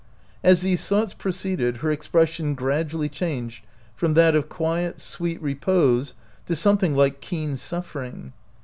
As these thoughts proceeded her expression gradually changed from that of quiet, sweet repose to something like keen suffering.